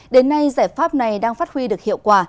đến nay giải pháp này đang phát huy được hiệu quả